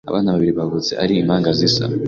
Abana babiri bavutse ari impanga zisa